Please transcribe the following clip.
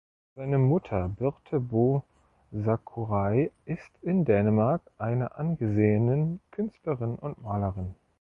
Seine Mutter Birthe Bo Sakurai ist in Dänemark eine angesehenen Künstlerin und Malerin.